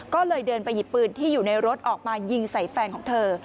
ก็เลยเดินไปหยิบปืนที่อยู่ในรถออกมายิงใส่แฟนของเธอ